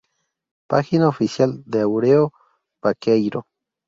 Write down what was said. Página oficial de Áureo Baqueiro